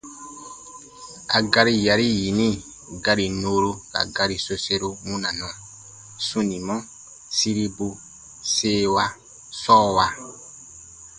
A gari yari yinin gari nuuru ka gari soseru wunanɔ: sunimɔ- siribu- seewa- sɔɔwa.